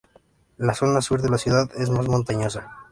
La zona sur de la ciudad es más montañosa.